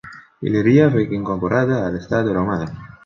Iliria fue incorporada al Estado romano.